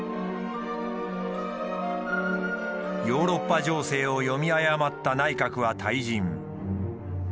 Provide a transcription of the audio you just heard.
ヨーロッパ情勢を読み誤った内閣は退陣。